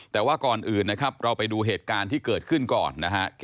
แต่ว่าก่อนอื่นเราไปดูเหตุการณ์ที่เกิดขึ้นก่อน